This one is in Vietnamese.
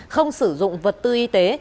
không sử dụng vật tư y tế